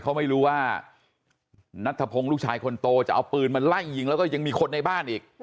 เขาไม่รู้ว่านัทธพงศ์ลูกชายคนโตจะเอาปืนมาไล่ยิงแล้วก็ยังมีคนในบ้านอีก